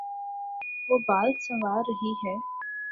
وہ بال سنوار رہی ہے